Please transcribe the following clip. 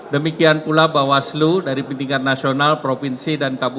demikian pula bawaslu dari tingkat nasional provinsi